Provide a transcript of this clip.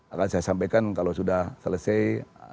akan saya sampaikan kalau sudah selesai